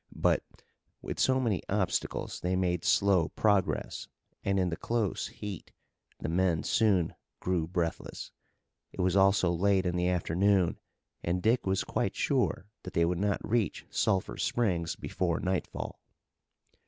But with so many obstacles they made slow progress, and, in the close heat, the men soon grew breathless. It was also late in the afternoon and Dick was quite sure that they would not reach Sulphur Springs before nightfall.